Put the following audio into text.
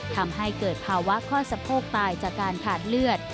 ทำให้เกิดภาวะข้อสะโพกตายจากการขาดเลือด